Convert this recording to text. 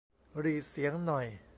หรี่เสียงหน่อย